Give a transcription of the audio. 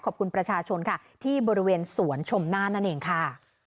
ขอบคุณประชาชนค่ะที่บริเวณสวนชมหน้านั่นเองค่ะ